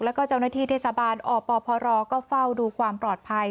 แล้วก็เจ้าหน้าที่เทศบาลอปพรก็เฝ้าดูความปลอดภัย